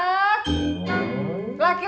laki lo beliin gorengan nih